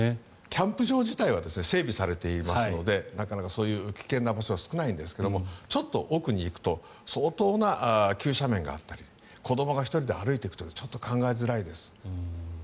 キャンプ場自体は整備されていますのでそういう危険な場所は少ないんですけどもちょっと奥に行くと相当な急斜面があったり子どもが１人で歩いていくというのはちょっと考えづらいです。